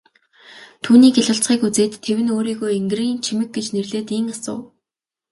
Түүний гялалзахыг үзээд тэвнэ өөрийгөө энгэрийн чимэг гэж нэрлээд ийн асуув.